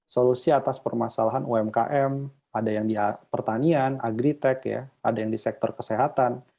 solusi atas permasalahan umkm ada yang di pertanian agritech ada yang di sektor kesehatan